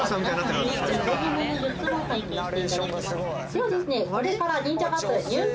ではですね。